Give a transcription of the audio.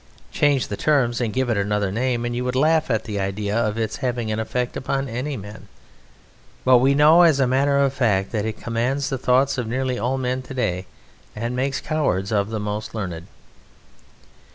Change the terms and give it another name, and you would laugh at the idea of its having an effect upon any men. But we know as a matter of fact that it commands the thoughts of nearly all men to day and makes cowards of the most learned.